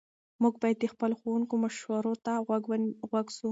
موږ باید د خپلو ښوونکو مشورو ته غوږ سو.